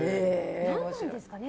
何なんですかね。